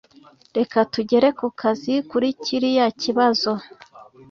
Reka tugere kukazi kuri kiriya kibazo